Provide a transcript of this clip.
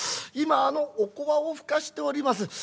今あのおこわをふかしております。